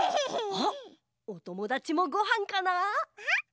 あおともだちもごはんかな？